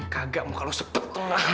kagak om kalo sepet tung